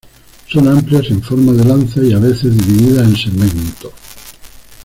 Son amplias en forma de lanza y, a veces dividida en segmentos.